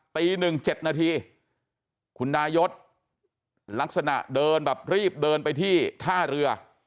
ตี๑๗นาทีคุณนายศลักษณะเดินแบบรีบเดินไปที่ท่าเรือ